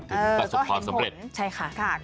คือประสบความสำเร็จใช่ค่ะก็เห็นผลค่ะ